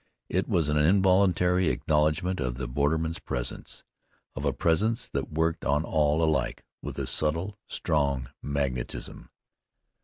It was an involuntary acknowledgment of the borderman's presence, of a presence that worked on all alike with a subtle, strong magnetism.